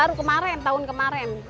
baru kemarin tahun kemarin